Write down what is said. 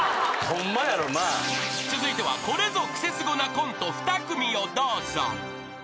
［続いてはこれぞクセスゴなコント２組をどうぞ］